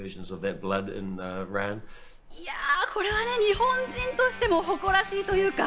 いや、これはね、日本人としても誇らしいというか。